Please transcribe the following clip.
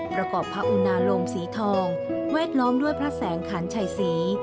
ประกอบพระอุณาโลมสีทองแวดล้อมด้วยพระแสงขันชัยศรี